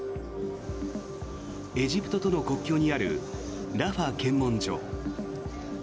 エジプトとの国境にあるラファ検問所。